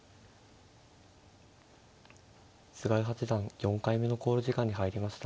菅井八段４回目の考慮時間に入りました。